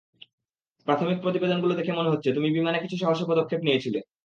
প্রাথমিক প্রতিবেদনগুলো দেখে মনে হচ্ছে, তুমি বিমানে কিছু সাহসী পদক্ষেপ নিয়েছিলে।